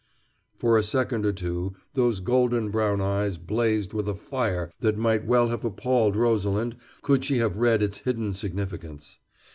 For a second or two those golden brown eyes blazed with a fire that might well have appalled Rosalind could she have read its hidden significance.